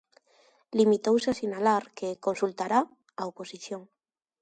Limitouse a sinalar que "consultará" a oposición.